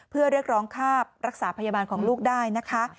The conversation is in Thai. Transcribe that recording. เพื่อเรียกร้องค่ารักษาพยาบาลของลูกได้นะคะ